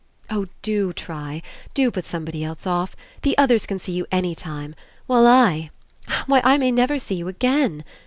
"Oh, do try. Do put somebody else off. The others can see you any time, while I — Why, I may never see you again!